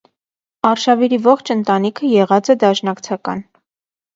Արշաւիրի ողջ ընտանիքը եղած է դաշնակցական։